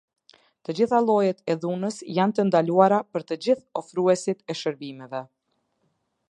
Të gjitha llojet e dhunës janë të ndaluara për të gjithë ofruesit e shërbimeve.